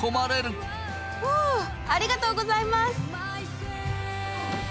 フウありがとうございます！